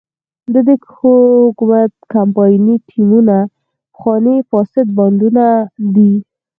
د دې حکومت کمپایني ټیمونه پخواني فاسد بانډونه دي.